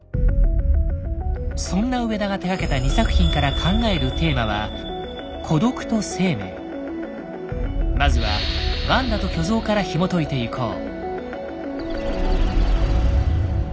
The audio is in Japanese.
そんな上田が手がけた２作品から考えるテーマはまずは「ワンダと巨像」からひもといていこう。